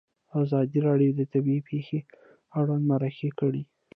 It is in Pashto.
ازادي راډیو د طبیعي پېښې اړوند مرکې کړي.